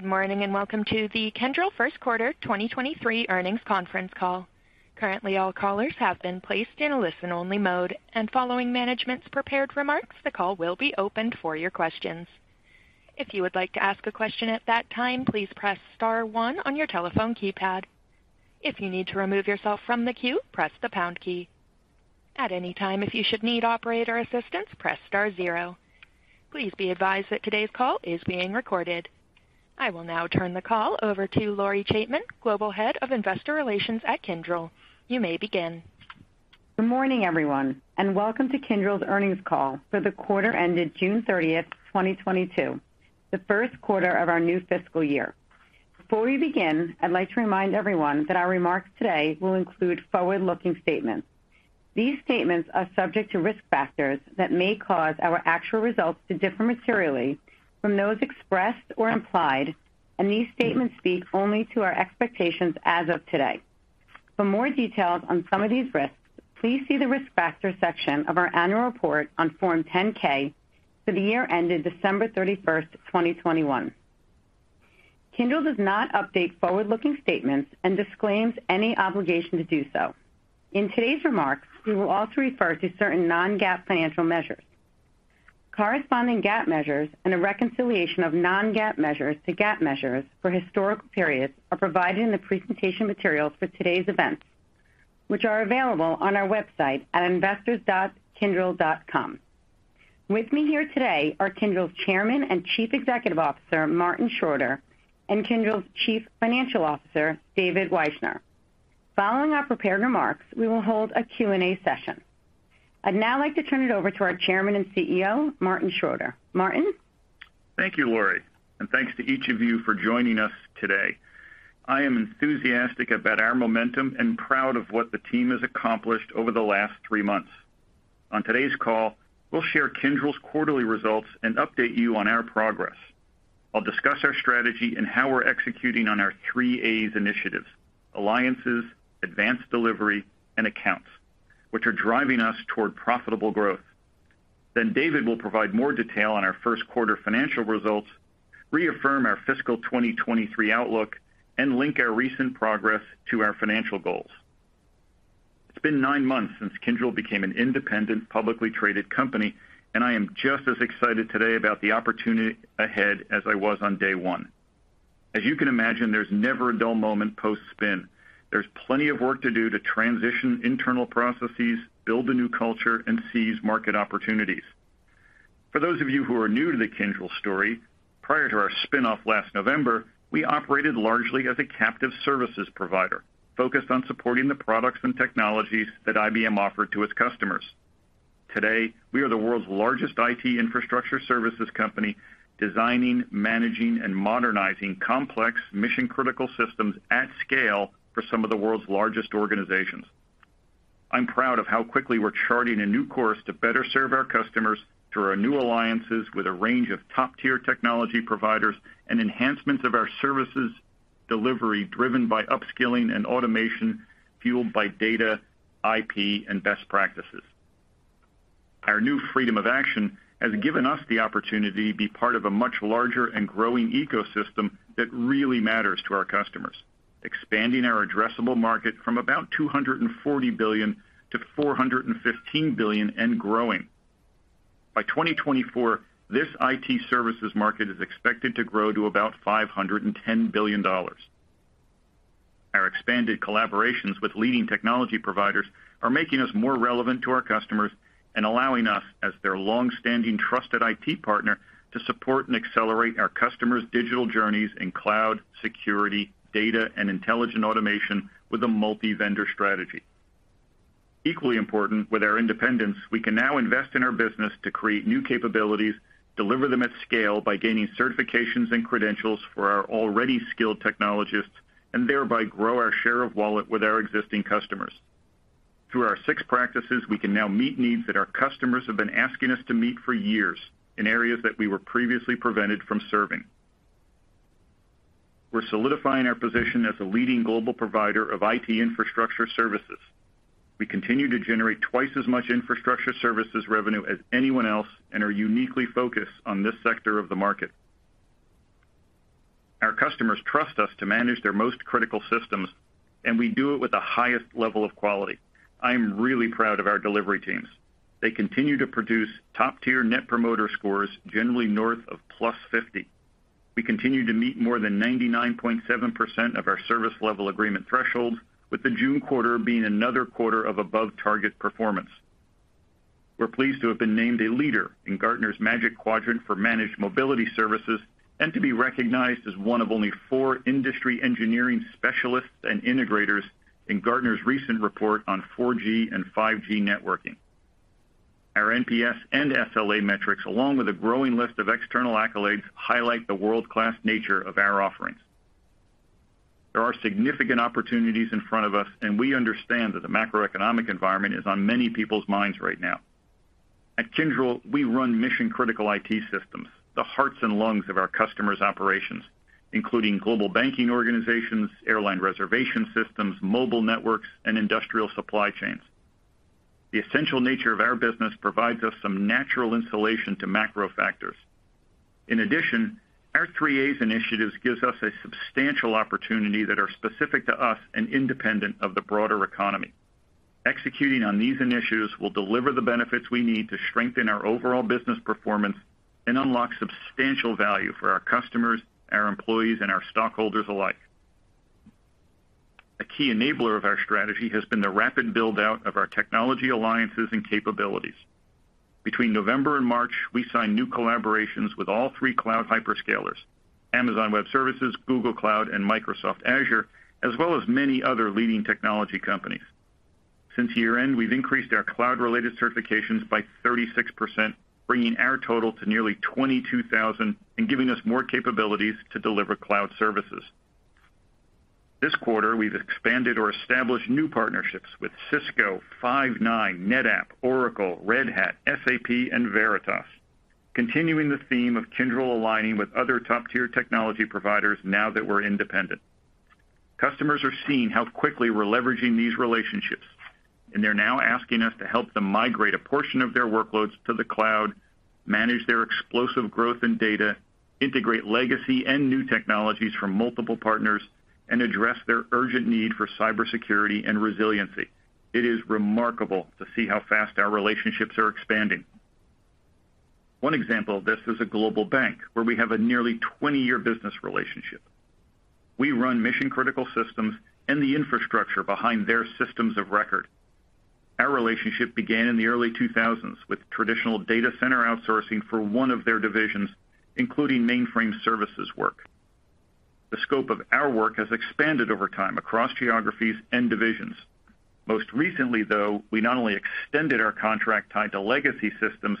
Good morning, and welcome to the Kyndryl first quarter 2023 earnings conference call. Currently, all callers have been placed in a listen-only mode, and following management's prepared remarks, the call will be opened for your questions. If you would like to ask a question at that time, please press star one on your telephone keypad. If you need to remove yourself from the queue, press the pound key. At any time, if you should need operator assistance, press star zero. Please be advised that today's call is being recorded. I will now turn the call over to Lori Chaitman, Global Head of Investor Relations at Kyndryl. You may begin. Good morning, everyone, and welcome to Kyndryl's earnings call for the quarter ended June 30, 2022, the first quarter of our new fiscal year. Before we begin, I'd like to remind everyone that our remarks today will include forward-looking statements. These statements are subject to risk factors that may cause our actual results to differ materially from those expressed or implied, and these statements speak only to our expectations as of today. For more details on some of these risks, please see the Risk Factors section of our annual report on Form 10-K for the year ended December 31, 2021. Kyndryl does not update forward-looking statements and disclaims any obligation to do so. In today's remarks, we will also refer to certain non-GAAP financial measures. Corresponding GAAP measures and a reconciliation of non-GAAP measures to GAAP measures for historical periods are provided in the presentation materials for today's events, which are available on our website at investors.kyndryl.com. With me here today are Kyndryl's Chairman and Chief Executive Officer, Martin Schroeter, and Kyndryl's Chief Financial Officer, David Wyshner. Following our prepared remarks, we will hold a Q&A session. I'd now like to turn it over to our Chairman and CEO, Martin Schroeter. Martin. Thank you, Lori, and thanks to each of you for joining us today. I am enthusiastic about our momentum and proud of what the team has accomplished over the last three months. On today's call, we'll share Kyndryl's quarterly results and update you on our progress. I'll discuss our strategy and how we're executing on our three A's initiatives, Alliances, Advanced Delivery, and Accounts, which are driving us toward profitable growth. Then David will provide more detail on our first quarter financial results, reaffirm our fiscal 2023 outlook, and link our recent progress to our financial goals. It's been nine months since Kyndryl became an independent, publicly traded company, and I am just as excited today about the opportunity ahead as I was on day one. As you can imagine, there's never a dull moment post-spin. There's plenty of work to do to transition internal processes, build a new culture and seize market opportunities. For those of you who are new to the Kyndryl story, prior to our spin-off last November, we operated largely as a captive services provider, focused on supporting the products and technologies that IBM offered to its customers. Today, we are the world's largest IT infrastructure services company, designing, managing, and modernizing complex mission-critical systems at scale for some of the world's largest organizations. I'm proud of how quickly we're charting a new course to better serve our customers through our new alliances with a range of top-tier technology providers and enhancements of our services delivery driven by upskilling and automation fueled by data, IP, and best practices. Our new freedom of action has given us the opportunity to be part of a much larger and growing ecosystem that really matters to our customers, expanding our addressable market from about $240 billion to $415 billion and growing. By 2024, this IT services market is expected to grow to about $510 billion. Our expanded collaborations with leading technology providers are making us more relevant to our customers and allowing us, as their long-standing trusted IT partner, to support and accelerate our customers' digital journeys in cloud, security, data, and intelligent automation with a multi-vendor strategy. Equally important, with our independence, we can now invest in our business to create new capabilities, deliver them at scale by gaining certifications and credentials for our already skilled technologists, and thereby grow our share of wallet with our existing customers. Through our six practices, we can now meet needs that our customers have been asking us to meet for years in areas that we were previously prevented from serving. We're solidifying our position as a leading global provider of IT infrastructure services. We continue to generate twice as much infrastructure services revenue as anyone else and are uniquely focused on this sector of the market. Our customers trust us to manage their most critical systems, and we do it with the highest level of quality. I am really proud of our delivery teams. They continue to produce top-tier Net Promoter Scores generally north of +50. We continue to meet more than 99.7% of our service level agreement thresholds, with the June quarter being another quarter of above target performance. We're pleased to have been named a leader in Gartner's Magic Quadrant for managed mobility services and to be recognized as one of only four industry engineering specialists and integrators in Gartner's recent report on 4G and 5G networking. Our NPS and SLA metrics, along with a growing list of external accolades, highlight the world-class nature of our offerings. There are significant opportunities in front of us, and we understand that the macroeconomic environment is on many people's minds right now. At Kyndryl, we run mission-critical IT systems, the hearts and lungs of our customers' operations, including global banking organizations, airline reservation systems, mobile networks, and industrial supply chains. The essential nature of our business provides us some natural insulation to macro factors. In addition, our three A's initiatives gives us a substantial opportunity that are specific to us and independent of the broader economy. Executing on these initiatives will deliver the benefits we need to strengthen our overall business performance and unlock substantial value for our customers, our employees, and our stockholders alike. A key enabler of our strategy has been the rapid build-out of our technology alliances and capabilities. Between November and March, we signed new collaborations with all three cloud hyperscalers, Amazon Web Services, Google Cloud, and Microsoft Azure, as well as many other leading technology companies. Since year-end, we've increased our cloud-related certifications by 36%, bringing our total to nearly 22,000 and giving us more capabilities to deliver cloud services. This quarter, we've expanded or established new partnerships with Cisco, Five9, NetApp, Oracle, Red Hat, SAP, and Veritas, continuing the theme of Kyndryl aligning with other top-tier technology providers now that we're independent. Customers are seeing how quickly we're leveraging these relationships, and they're now asking us to help them migrate a portion of their workloads to the cloud, manage their explosive growth in data, integrate legacy and new technologies from multiple partners, and address their urgent need for cybersecurity and resiliency. It is remarkable to see how fast our relationships are expanding. One example of this is a global bank where we have a nearly 20-year business relationship. We run mission-critical systems and the infrastructure behind their systems of record. Our relationship began in the early 2000s with traditional data center outsourcing for one of their divisions, including mainframe services work. The scope of our work has expanded over time across geographies and divisions. Most recently, though, we not only extended our contract tied to legacy systems,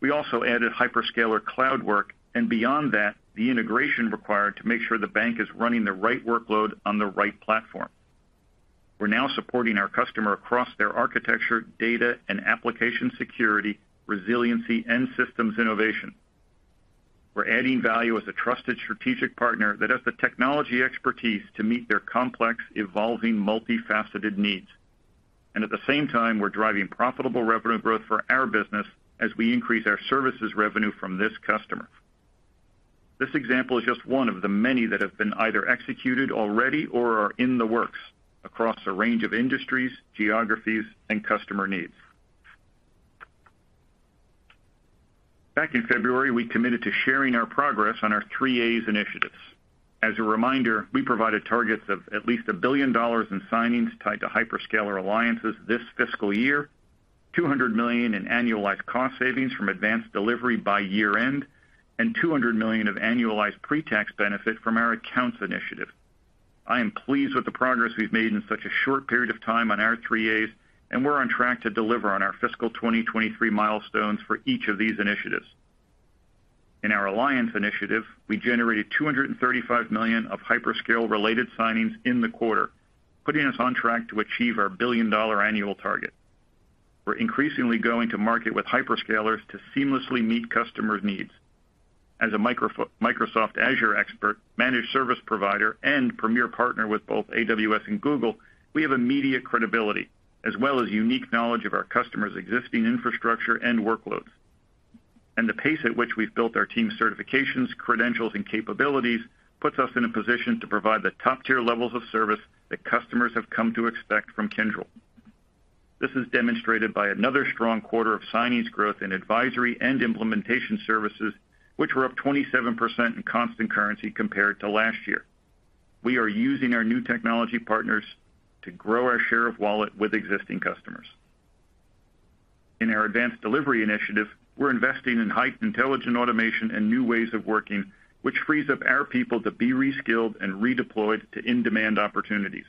we also added hyperscaler cloud work, and beyond that, the integration required to make sure the bank is running the right workload on the right platform. We're now supporting our customer across their architecture, data and application security, resiliency, and systems innovation. We're adding value as a trusted strategic partner that has the technology expertise to meet their complex, evolving, multifaceted needs. At the same time, we're driving profitable revenue growth for our business as we increase our services revenue from this customer. This example is just one of the many that have been either executed already or are in the works across a range of industries, geographies, and customer needs. Back in February, we committed to sharing our progress on our three A's initiatives. As a reminder, we provided targets of at least $1 billion in signings tied to hyperscaler alliances this fiscal year, $200 million in annualized cost savings from advanced delivery by year-end, and $200 million of annualized pre-tax benefit from our accounts initiative. I am pleased with the progress we've made in such a short period of time on our three A's, and we're on track to deliver on our fiscal 2023 milestones for each of these initiatives. In our alliance initiative, we generated $235 million of hyperscale-related signings in the quarter, putting us on track to achieve our $1 billion annual target. We're increasingly going to market with hyperscalers to seamlessly meet customers' needs. As a Microsoft Azure expert, managed service provider, and premier partner with both AWS and Google, we have immediate credibility as well as unique knowledge of our customers' existing infrastructure and workloads. The pace at which we've built our team certifications, credentials, and capabilities puts us in a position to provide the top-tier levels of service that customers have come to expect from Kyndryl. This is demonstrated by another strong quarter of signings growth in advisory and implementation services, which were up 27% in constant currency compared to last year. We are using our new technology partners to grow our share of wallet with existing customers. In our advanced delivery initiative, we're investing in heightened intelligent automation and new ways of working, which frees up our people to be re-skilled and redeployed to in-demand opportunities.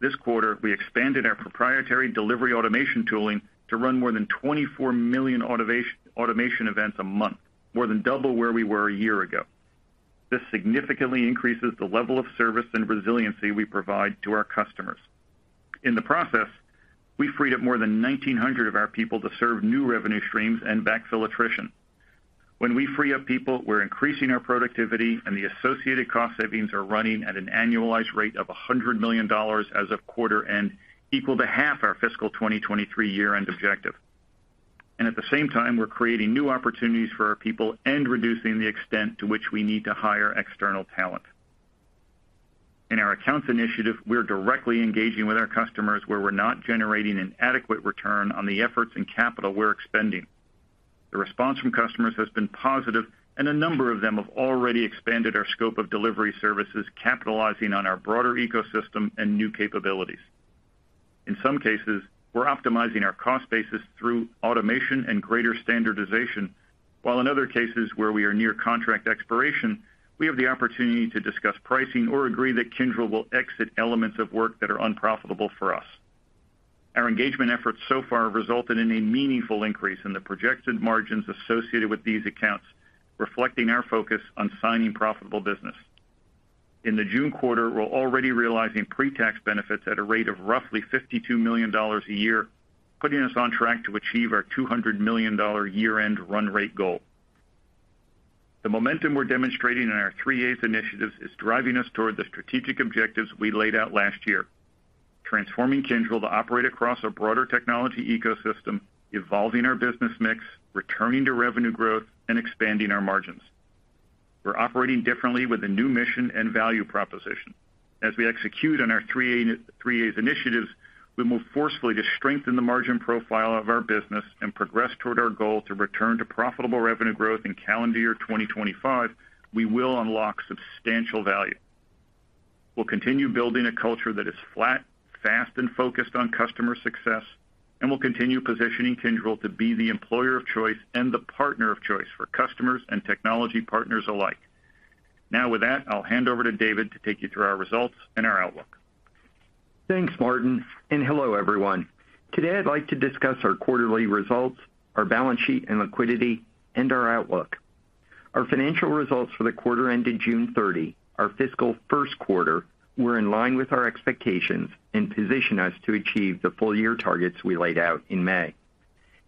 This quarter, we expanded our proprietary delivery automation tooling to run more than 24 million automation events a month, more than double where we were a year ago. This significantly increases the level of service and resiliency we provide to our customers. In the process, we freed up more than 1,900 of our people to serve new revenue streams and backfill attrition. When we free up people, we're increasing our productivity, and the associated cost savings are running at an annualized rate of $100 million as of quarter end, equal to half our fiscal 2023 year-end objective. At the same time, we're creating new opportunities for our people and reducing the extent to which we need to hire external talent. In our accounts initiative, we're directly engaging with our customers where we're not generating an adequate return on the efforts and capital we're expending. The response from customers has been positive, and a number of them have already expanded our scope of delivery services, capitalizing on our broader ecosystem and new capabilities. In some cases, we're optimizing our cost basis through automation and greater standardization, while in other cases where we are near contract expiration, we have the opportunity to discuss pricing or agree that Kyndryl will exit elements of work that are unprofitable for us. Our engagement efforts so far have resulted in a meaningful increase in the projected margins associated with these accounts, reflecting our focus on signing profitable business. In the June quarter, we're already realizing pre-tax benefits at a rate of roughly $52 million a year, putting us on track to achieve our $200 million year-end run rate goal. The momentum we're demonstrating in our Three A's initiatives is driving us toward the strategic objectives we laid out last year, transforming Kyndryl to operate across a broader technology ecosystem, evolving our business mix, returning to revenue growth, and expanding our margins. We're operating differently with a new mission and value proposition. As we execute on our Three A's initiatives, we move forcefully to strengthen the margin profile of our business and progress toward our goal to return to profitable revenue growth in calendar year 2025. We will unlock substantial value. We'll continue building a culture that is flat, fast, and focused on customer success, and we'll continue positioning Kyndryl to be the employer of choice and the partner of choice for customers and technology partners alike. Now, with that, I'll hand over to David to take you through our results and our outlook. Thanks, Martin, and hello, everyone. Today, I'd like to discuss our quarterly results, our balance sheet and liquidity, and our outlook. Our financial results for the quarter ended June 30, our fiscal first quarter, were in line with our expectations and position us to achieve the full year targets we laid out in May.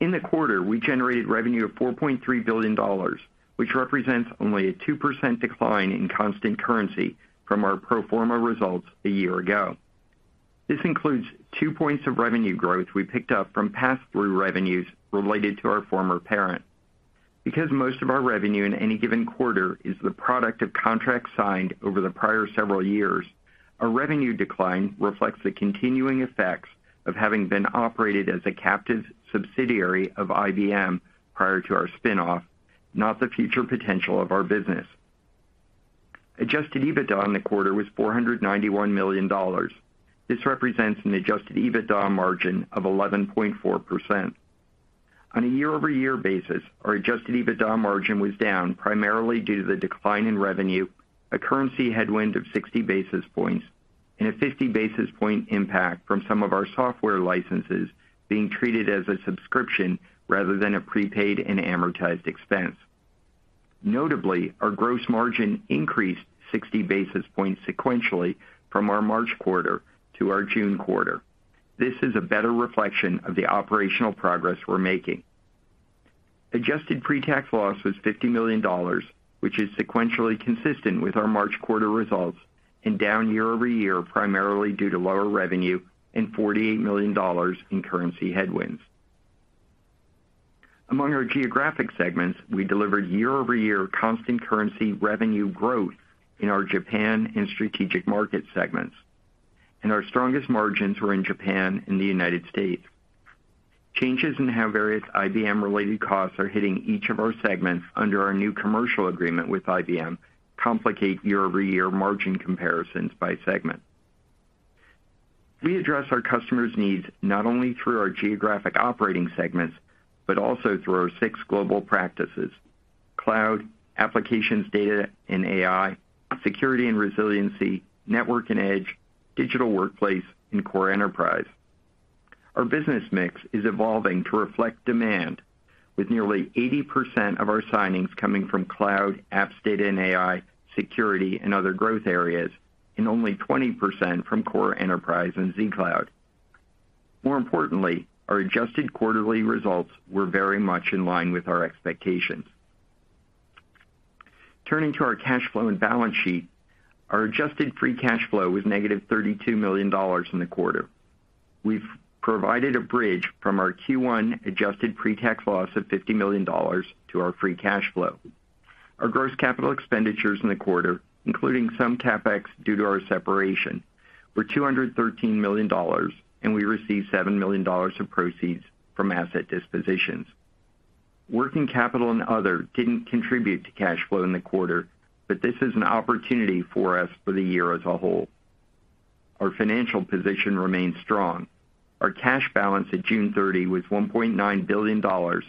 In the quarter, we generated revenue of $4.3 billion, which represents only a 2% decline in constant currency from our pro forma results a year ago. This includes 2 points of revenue growth we picked up from pass-through revenues related to our former parent. Because most of our revenue in any given quarter is the product of contracts signed over the prior several years, our revenue decline reflects the continuing effects of having been operated as a captive subsidiary of IBM prior to our spin-off, not the future potential of our business. Adjusted EBITDA in the quarter was $491 million. This represents an adjusted EBITDA margin of 11.4%. On a year-over-year basis, our adjusted EBITDA margin was down primarily due to the decline in revenue, a currency headwind of 60 basis points, and a 50 basis point impact from some of our software licenses being treated as a subscription rather than a prepaid and amortized expense. Notably, our gross margin increased 60 basis points sequentially from our March quarter to our June quarter. This is a better reflection of the operational progress we're making. Adjusted pre-tax loss was $50 million, which is sequentially consistent with our March quarter results and down year-over-year primarily due to lower revenue and $48 million in currency headwinds. Among our geographic segments, we delivered year-over-year constant currency revenue growth in our Japan and strategic market segments, and our strongest margins were in Japan and the United States. Changes in how various IBM-related costs are hitting each of our segments under our new commercial agreement with IBM complicate year-over-year margin comparisons by segment. We address our customers' needs not only through our geographic operating segments, but also through our six global practices, cloud, applications, data and AI, security and resiliency, network and edge, digital workplace, and core enterprise. Our business mix is evolving to reflect demand, with nearly 80% of our signings coming from cloud, apps, data and AI, security and other growth areas, and only 20% from core enterprise and zCloud. More importantly, our adjusted quarterly results were very much in line with our expectations. Turning to our cash flow and balance sheet, our adjusted free cash flow was -$32 million in the quarter. We've provided a bridge from our Q1 adjusted pre-tax loss of $50 million to our free cash flow. Our gross capital expenditures in the quarter, including some CapEx due to our separation, were $213 million, and we received $7 million of proceeds from asset dispositions. Working capital and other didn't contribute to cash flow in the quarter, but this is an opportunity for us for the year as a whole. Our financial position remains strong. Our cash balance at June 30 was $1.9 billion,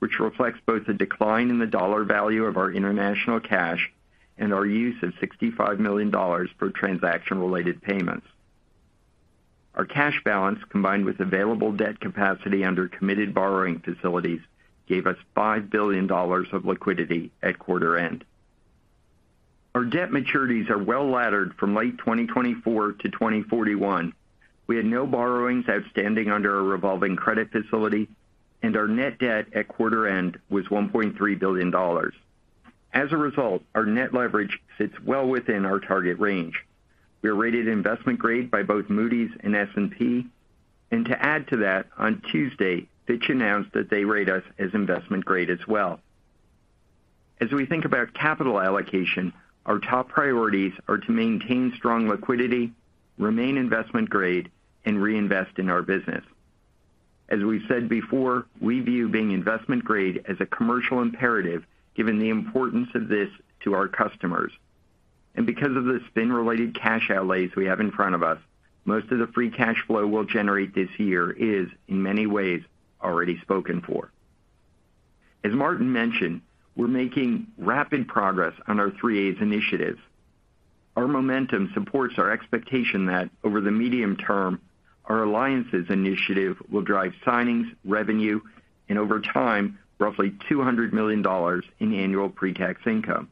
which reflects both a decline in the dollar value of our international cash and our use of $65 million for transaction-related payments. Our cash balance, combined with available debt capacity under committed borrowing facilities, gave us $5 billion of liquidity at quarter end. Our debt maturities are well-laddered from late 2024 to 2041. We had no borrowings outstanding under our revolving credit facility, and our net debt at quarter end was $1.3 billion. As a result, our net leverage sits well within our target range. We are rated investment grade by both Moody's and S&P. To add to that, on Tuesday, Fitch announced that they rate us as investment grade as well. As we think about capital allocation, our top priorities are to maintain strong liquidity, remain investment grade, and reinvest in our business. As we've said before, we view being investment grade as a commercial imperative given the importance of this to our customers. Because of the spin-related cash outlays we have in front of us, most of the free cash flow we'll generate this year is, in many ways, already spoken for. As Martin mentioned, we're making rapid progress on our Three A's initiatives. Our momentum supports our expectation that over the medium term, our alliances initiative will drive signings, revenue, and over time, roughly $200 million in annual pre-tax income.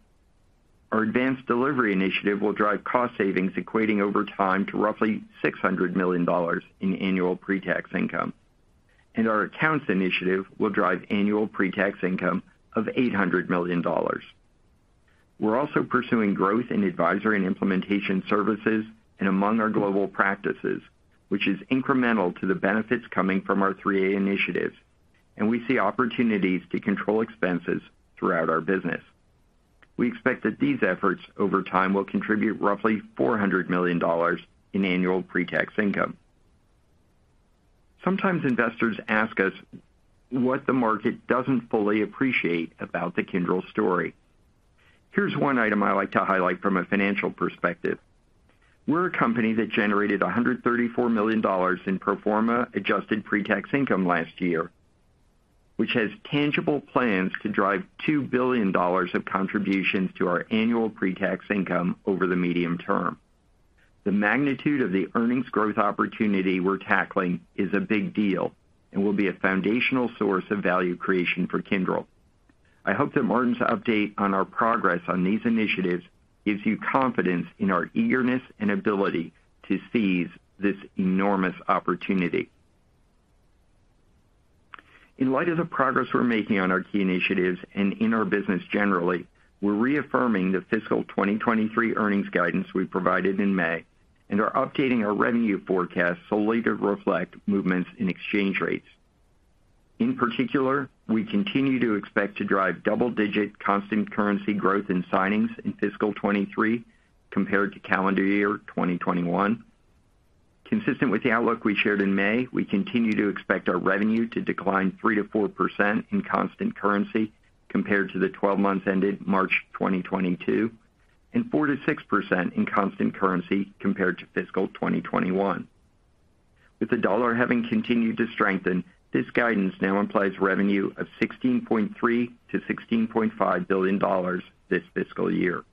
Our advanced delivery initiative will drive cost savings equating over time to roughly $600 million in annual pre-tax income. Our accounts initiative will drive annual pre-tax income of $800 million. We're also pursuing growth in Advisory and Implementation Services and among our global practices, which is incremental to the benefits coming from our three A's initiatives, and we see opportunities to control expenses throughout our business. We expect that these efforts over time will contribute roughly $400 million in annual pre-tax income. Sometimes investors ask us what the market doesn't fully appreciate about the Kyndryl story. Here's one item I like to highlight from a financial perspective. We're a company that generated $134 million in pro forma adjusted pre-tax income last year, which has tangible plans to drive $2 billion of contributions to our annual pre-tax income over the medium term. The magnitude of the earnings growth opportunity we're tackling is a big deal and will be a foundational source of value creation for Kyndryl. I hope that Martin's update on our progress on these initiatives gives you confidence in our eagerness and ability to seize this enormous opportunity. In light of the progress we're making on our key initiatives and in our business generally, we're reaffirming the fiscal 2023 earnings guidance we provided in May and are updating our revenue forecast solely to reflect movements in exchange rates. In particular, we continue to expect to drive double-digit constant currency growth in signings in fiscal 2023 compared to calendar year 2021. Consistent with the outlook we shared in May, we continue to expect our revenue to decline 3%-4% in constant currency compared to the twelve months ended March 2022, and 4%-6% in constant currency compared to fiscal 2021. With the dollar having continued to strengthen, this guidance now implies revenue of $16.3 billion-$16.5 billion this fiscal year.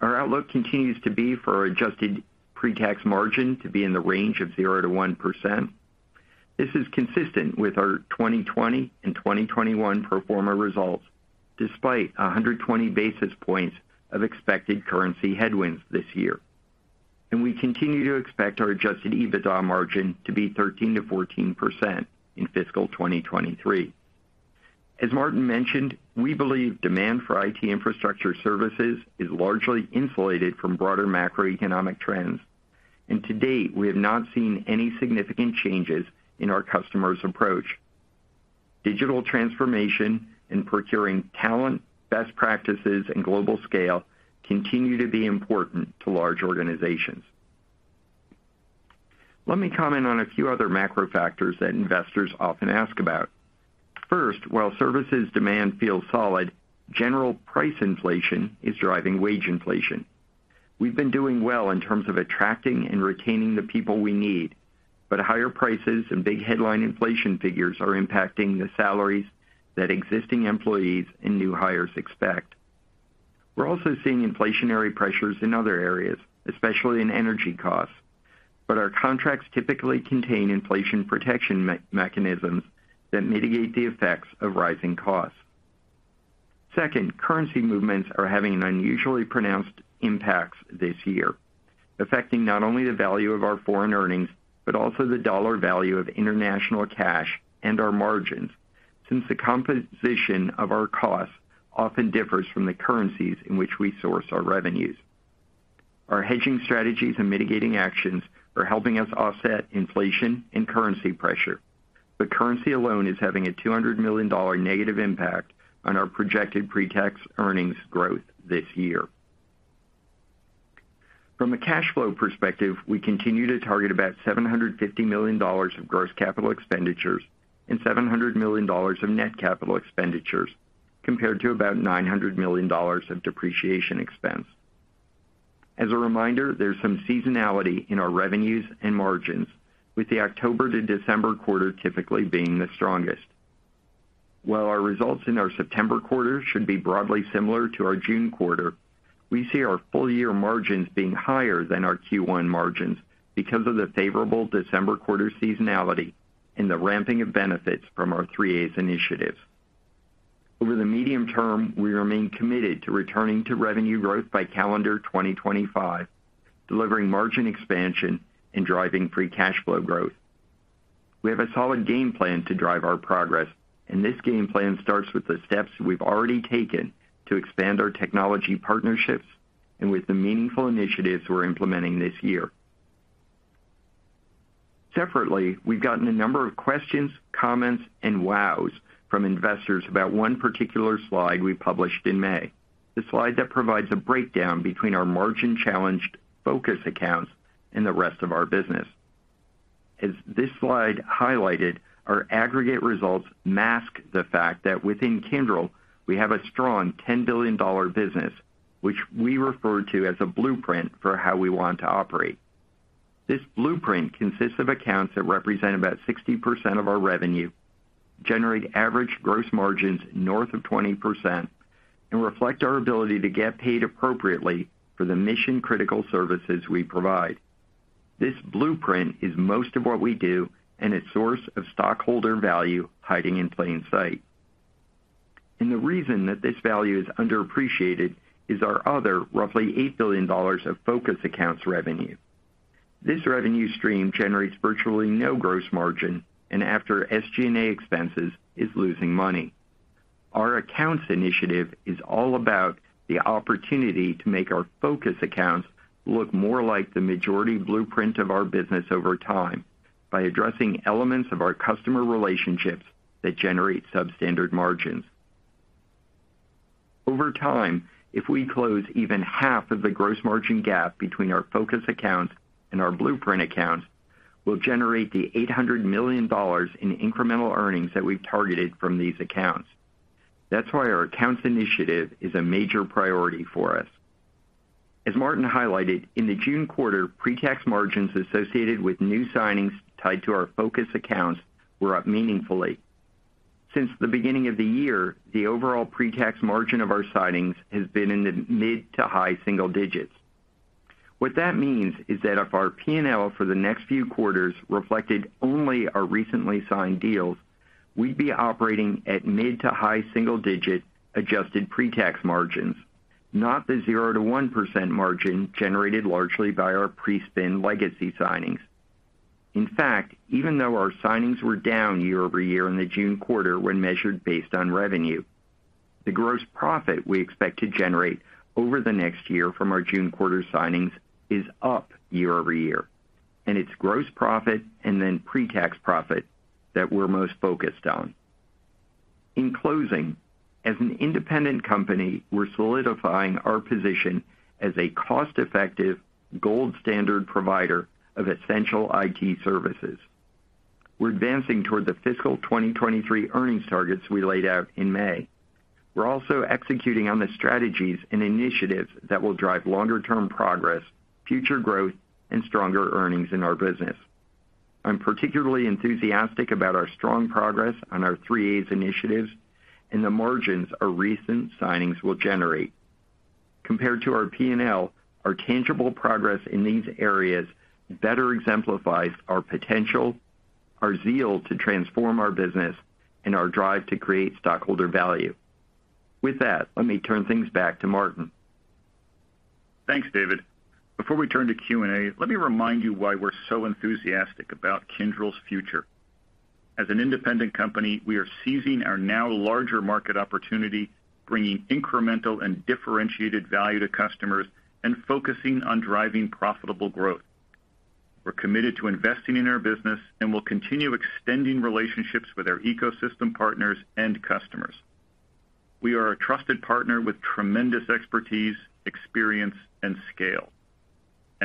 Our outlook continues to be for our adjusted pre-tax margin to be in the range of 0%-1%. This is consistent with our 2020 and 2021 pro forma results, despite 120 basis points of expected currency headwinds this year. We continue to expect our adjusted EBITDA margin to be 13%-14% in fiscal 2023. As Martin mentioned, we believe demand for IT infrastructure services is largely insulated from broader macroeconomic trends. To date, we have not seen any significant changes in our customers' approach. Digital transformation and procuring talent, best practices, and global scale continue to be important to large organizations. Let me comment on a few other macro factors that investors often ask about. First, while services demand feels solid, general price inflation is driving wage inflation. We've been doing well in terms of attracting and retaining the people we need, but higher prices and big headline inflation figures are impacting the salaries that existing employees and new hires expect. We're also seeing inflationary pressures in other areas, especially in energy costs, but our contracts typically contain inflation protection mechanisms that mitigate the effects of rising costs. Second, currency movements are having an unusually pronounced impact this year, affecting not only the value of our foreign earnings, but also the dollar value of international cash and our margins, since the composition of our costs often differs from the currencies in which we source our revenues. Our hedging strategies and mitigating actions are helping us offset inflation and currency pressure. Currency alone is having a $200 million negative impact on our projected pre-tax earnings growth this year. From a cash flow perspective, we continue to target about $750 million of gross capital expenditures and $700 million of net capital expenditures compared to about $900 million of depreciation expense. As a reminder, there's some seasonality in our revenues and margins, with the October to December quarter typically being the strongest. While our results in our September quarter should be broadly similar to our June quarter, we see our full year margins being higher than our Q1 margins because of the favorable December quarter seasonality and the ramping of benefits from our three A's initiative. Over the medium term, we remain committed to returning to revenue growth by calendar 2025, delivering margin expansion and driving free cash flow growth. We have a solid game plan to drive our progress, and this game plan starts with the steps we've already taken to expand our technology partnerships and with the meaningful initiatives we're implementing this year. Separately, we've gotten a number of questions, comments, and wows from investors about one particular slide we published in May, the slide that provides a breakdown between our margin-challenged focus accounts and the rest of our business. As this slide highlighted, our aggregate results mask the fact that within Kyndryl, we have a strong $10 billion business, which we refer to as a blueprint for how we want to operate. This blueprint consists of accounts that represent about 60% of our revenue, generate average gross margins north of 20%, and reflect our ability to get paid appropriately for the mission-critical services we provide. This blueprint is most of what we do and a source of stockholder value hiding in plain sight. The reason that this value is underappreciated is our other roughly $8 billion of focus accounts revenue. This revenue stream generates virtually no gross margin, and after SG&A expenses is losing money. Our accounts initiative is all about the opportunity to make our focus accounts look more like the majority blueprint of our business over time by addressing elements of our customer relationships that generate substandard margins. Over time, if we close even half of the gross margin gap between our focus accounts and our blueprint accounts, we'll generate the $800 million in incremental earnings that we've targeted from these accounts. That's why our accounts initiative is a major priority for us. As Martin highlighted, in the June quarter, pre-tax margins associated with new signings tied to our focus accounts were up meaningfully. Since the beginning of the year, the overall pre-tax margin of our signings has been in the mid- to high-single-digit %. What that means is that if our P&L for the next few quarters reflected only our recently signed deals, we'd be operating at mid- to high-single-digit adjusted pre-tax margins, not the 0%-1% margin generated largely by our pre-spin legacy signings. In fact, even though our signings were down year-over-year in the June quarter when measured based on revenue, the gross profit we expect to generate over the next year from our June quarter signings is up year-over-year, and it's gross profit and then pre-tax profit that we're most focused on. In closing, as an independent company, we're solidifying our position as a cost-effective gold standard provider of essential IT services. We're advancing toward the fiscal 2023 earnings targets we laid out in May. We're also executing on the strategies and initiatives that will drive longer-term progress, future growth, and stronger earnings in our business. I'm particularly enthusiastic about our strong progress on our three A's initiatives and the margins our recent signings will generate. Compared to our P&L, our tangible progress in these areas better exemplifies our potential, our zeal to transform our business, and our drive to create stockholder value. With that, let me turn things back to Martin. Thanks, David. Before we turn to Q&A, let me remind you why we're so enthusiastic about Kyndryl's future. As an independent company, we are seizing our now larger market opportunity, bringing incremental and differentiated value to customers, and focusing on driving profitable growth. We're committed to investing in our business and will continue extending relationships with our ecosystem partners and customers. We are a trusted partner with tremendous expertise, experience, and scale.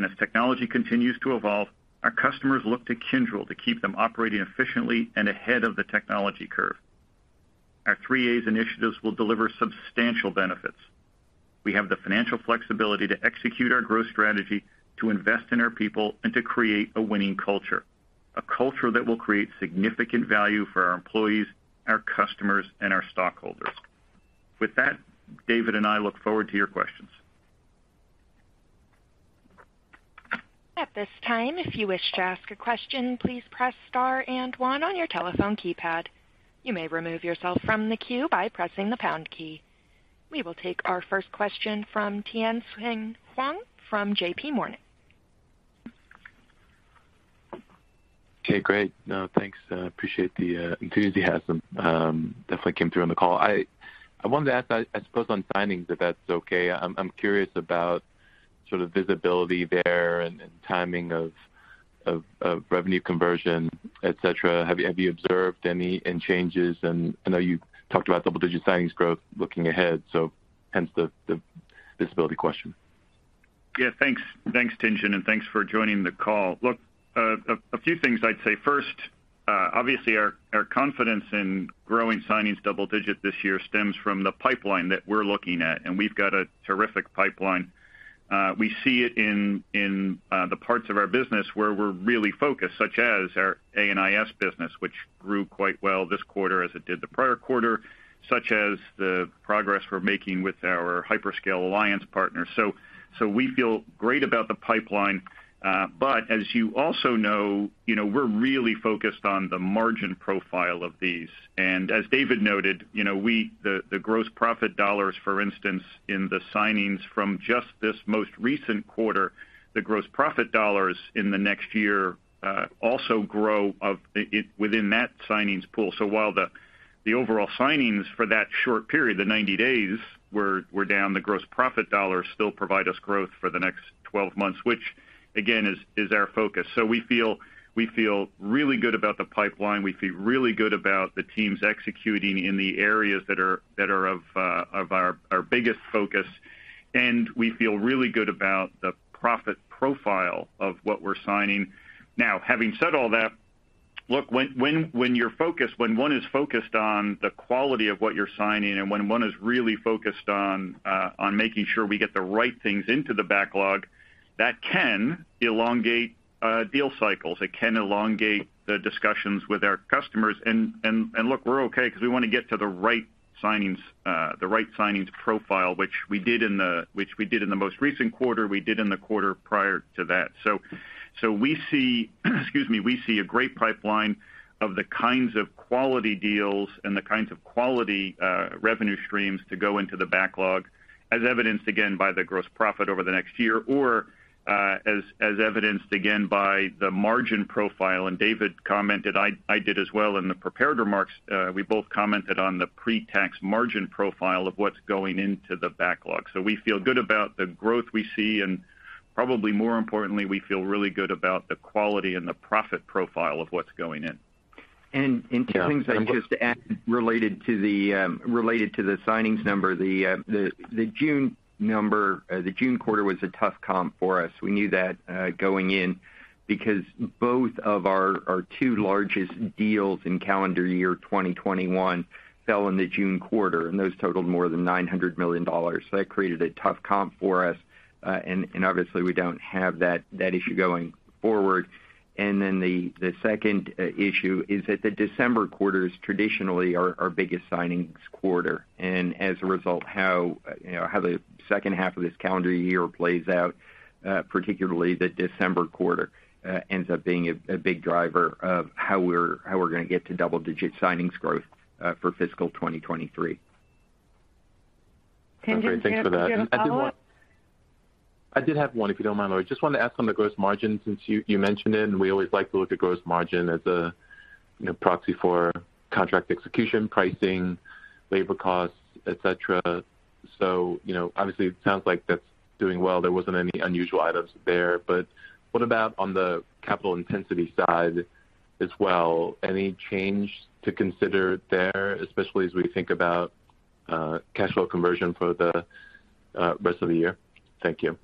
As technology continues to evolve, our customers look to Kyndryl to keep them operating efficiently and ahead of the technology curve. Our three A's initiatives will deliver substantial benefits. We have the financial flexibility to execute our growth strategy, to invest in our people, and to create a winning culture, a culture that will create significant value for our employees, our customers, and our stockholders. With that, David and I look forward to your questions. At this time, if you wish to ask a question, please press star and one on your telephone keypad. You may remove yourself from the queue by pressing the pound key. We will take our first question from Tien-Tsin Huang from JPMorgan. Okay, great. Thanks. I appreciate the enthusiasm. Definitely came through on the call. I wanted to ask. I suppose on signings, if that's okay. I'm curious about sort of visibility there and timing of revenue conversion, et cetera. Have you observed any changes? I know you talked about double-digit signings growth looking ahead, so hence the visibility question. Yeah. Thanks, Tien-Tsin, and thanks for joining the call. Look, a few things I'd say. First, obviously our confidence in growing signings double digit this year stems from the pipeline that we're looking at, and we've got a terrific pipeline. We see it in the parts of our business where we're really focused, such as our A&IS business, which grew quite well this quarter as it did the prior quarter, such as the progress we're making with our hyperscale alliance partners. We feel great about the pipeline. As you also know, you know, we're really focused on the margin profile of these. As David noted, you know, the gross profit dollars, for instance, in the signings from just this most recent quarter, the gross profit dollars in the next year also grow within it within that signings pool. While the overall signings for that short period, the 90 days, were down, the gross profit dollars still provide us growth for the next 12 months, which again is our focus. We feel really good about the pipeline. We feel really good about the teams executing in the areas that are of our biggest focus. We feel really good about the profit profile of what we're signing. Now, having said all that, look, when you're focused on the quality of what you're signing and when one is really focused on making sure we get the right things into the backlog, that can elongate deal cycles. It can elongate the discussions with our customers. Look, we're okay 'cause we wanna get to the right signings, the right signings profile, which we did in the most recent quarter, we did in the quarter prior to that. We see a great pipeline of the kinds of quality deals and the kinds of quality revenue streams to go into the backlog as evidenced again by the gross profit over the next year, or as evidenced again by the margin profile. David commented, I did as well in the prepared remarks, we both commented on the pre-tax margin profile of what's going into the backlog. We feel good about the growth we see, and probably more importantly, we feel really good about the quality and the profit profile of what's going in. Two things I'd just add related to the signings number. The June quarter was a tough comp for us. We knew that going in because both of our two largest deals in calendar year 2021 fell in the June quarter, and those totaled more than $900 million. That created a tough comp for us. Obviously we don't have that issue going forward. The second issue is that the December quarter is traditionally our biggest signings quarter. As a result, you know, how the second half of this calendar year plays out, particularly the December quarter, ends up being a big driver of how we're gonna get to double-digit signings growth for fiscal 2023. Tien-Tsin Huang, do you have a follow-up? I did have one, if you don't mind. I just wanted to ask on the gross margin, since you mentioned it, and we always like to look at gross margin as a, you know, proxy for contract execution, pricing, labor costs, et cetera. You know, obviously it sounds like that's doing well. There wasn't any unusual items there, but what about on the capital intensity side as well? Any change to consider there, especially as we think about cash flow conversion for the rest of the year? Thank you.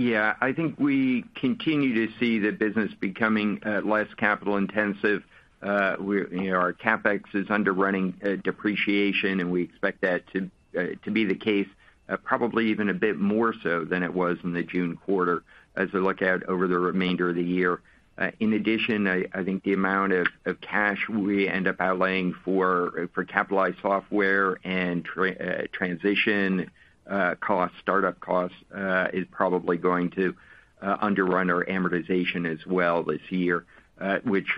Yeah. I think we continue to see the business becoming less capital intensive. We're, you know, our CapEx is underrunning depreciation, and we expect that to be the case, probably even a bit more so than it was in the June quarter as we look out over the remainder of the year. In addition, I think the amount of cash we end up outlaying for capitalized software and transition costs, startup costs, is probably going to underrun our amortization as well this year, which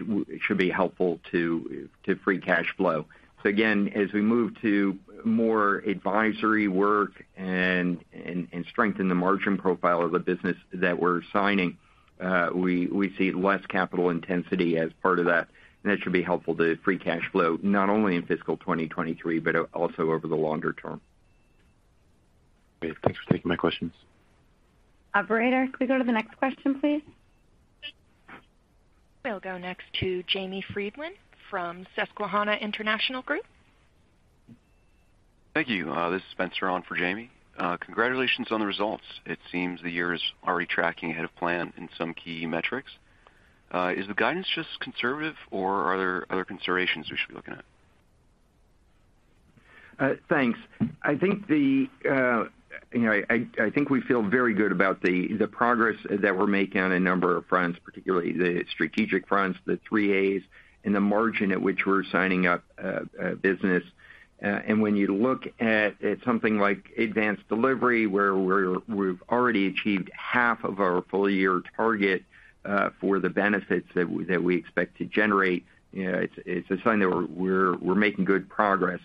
should be helpful to free cash flow. Again, as we move to more advisory work and strengthen the margin profile of the business that we're signing, we see less capital intensity as part of that, and that should be helpful to free cash flow, not only in fiscal 2023, but also over the longer term. Great. Thanks for taking my questions. Operator, can we go to the next question, please? We'll go next to Jamie Friedman from Susquehanna International Group. Thank you. This is Spencer on for Jamie. Congratulations on the results. It seems the year is already tracking ahead of plan in some key metrics. Is the guidance just conservative or are there other considerations we should be looking at? Thanks. I think you know, I think we feel very good about the progress that we're making on a number of fronts, particularly the strategic fronts, the three A's, and the margin at which we're signing up business. When you look at something like Advanced Delivery, where we've already achieved half of our full year target for the benefits that we expect to generate, you know, it's a sign that we're making good progress.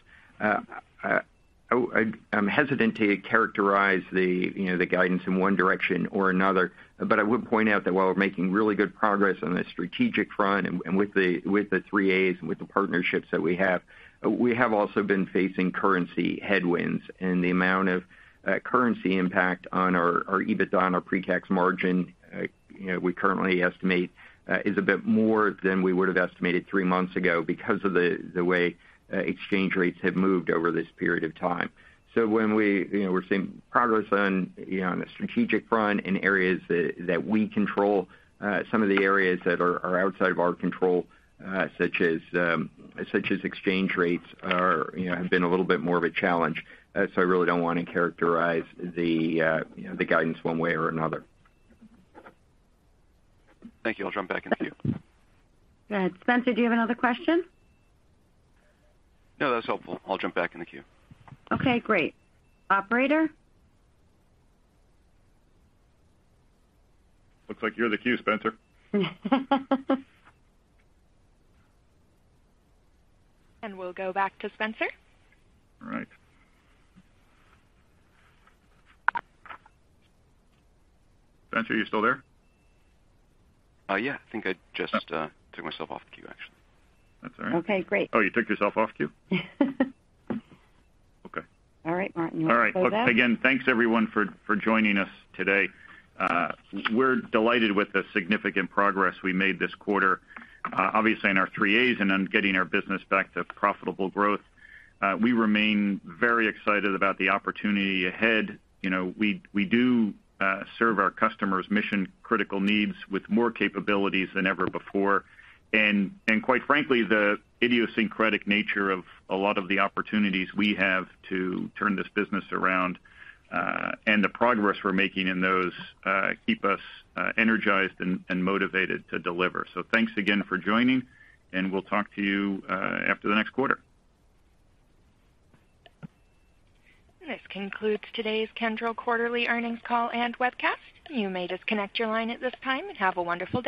I'm hesitant to characterize you know, the guidance in one direction or another, but I would point out that while we're making really good progress on the strategic front and with the three A's and with the partnerships that we have, we have also been facing currency headwinds. The amount of currency impact on our EBITDA on our pre-tax margin, you know, we currently estimate is a bit more than we would've estimated three months ago because of the way exchange rates have moved over this period of time. When we, you know, we're seeing progress on, you know, on the strategic front in areas that we control, some of the areas that are outside of our control, such as exchange rates are, you know, have been a little bit more of a challenge. I really don't wanna characterize the, you know, the guidance one way or another. Thank you. I'll jump back into queue. Go ahead. Spencer, do you have another question? No, that's helpful. I'll jump back in the queue. Okay, great. Operator? Looks like you're the queue, Spencer. We'll go back to Spencer. All right. Spencer, are you still there? Yeah. I think I just took myself off the queue, actually. That's all right. Okay, great. Oh, you took yourself off queue? Okay. All right, Martin, you want to close out? All right. Look, again, thanks, everyone, for joining us today. We're delighted with the significant progress we made this quarter, obviously in our three A's and on getting our business back to profitable growth. We remain very excited about the opportunity ahead. You know, we do serve our customers' mission-critical needs with more capabilities than ever before. Quite frankly, the idiosyncratic nature of a lot of the opportunities we have to turn this business around and the progress we're making in those keep us energized and motivated to deliver. Thanks again for joining, and we'll talk to you after the next quarter. This concludes today's Kyndryl quarterly earnings call and webcast. You may disconnect your line at this time. Have a wonderful day.